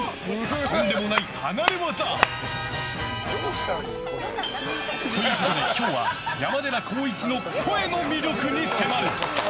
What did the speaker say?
とんでもない離れ業！ということで今日は山寺宏一の声の魅力に迫る。